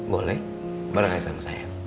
boleh barangkali sama saya